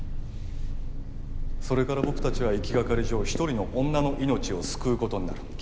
それから僕たちは行きがかり上一人の女の命を救うことになる。